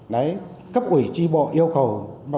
đấy cấp ủy tri bộ yêu cầu